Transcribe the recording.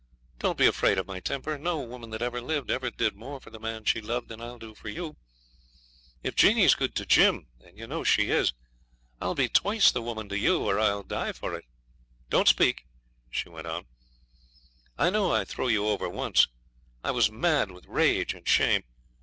Don't be afraid of my temper. No woman that ever lived ever did more for the man she loved than I'll do for you. If Jeanie's good to Jim and you know she is I'll be twice the woman to you, or I'll die for it. Don't speak!' she went on; 'I know I threw you over once. I was mad with rage and shame.